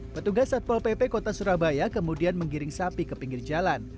petugas satpol pp kota surabaya kemudian menggiring sapi ke pinggir jalan